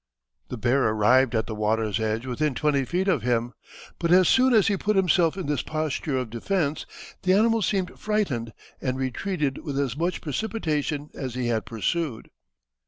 The bear arrived at the water's edge within twenty feet of him, but as soon as he put himself in this posture of defence, the animal seemed frightened and retreated with as much precipitation as he had pursued."